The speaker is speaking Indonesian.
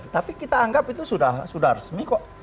tapi kita anggap itu sudah resmi kok